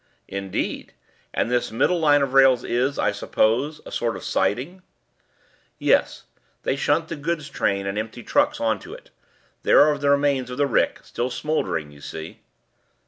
"Indeed; and this middle line of rails is, I suppose, a sort of siding?" "Yes; they shunt the goods trains and empty trucks on to it. There are the remains of the rick still smouldering, you see."